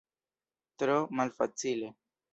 Tro malfacile.